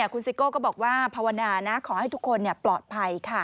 คุณซิโก้ก็บอกว่าภาวนานะขอให้ทุกคนปลอดภัยค่ะ